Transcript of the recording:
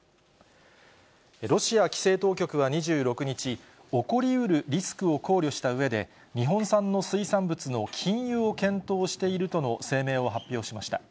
ロシア規制当局は２６日、起こりうるリスクを考慮したうえで、日本産の水産物の禁輸を検討しているとの声明を発表しました。